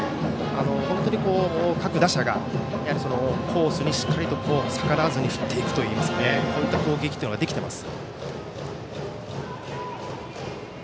本当に各打者がコースにしっかり逆らわずに振っていくといいますかこういった攻撃ができています。